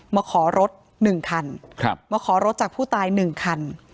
มาขอรถหนึ่งคันครับมาขอรถจากผู้ตายหนึ่งคัน